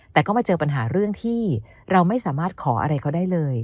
แต่ก็มาเจอปัญหาเรื่องที่เราไม่สามารถขออะไรเขาได้เลย